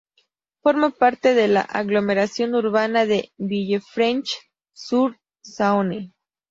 Forma parte de la aglomeración urbana de Villefranche-sur-Saône.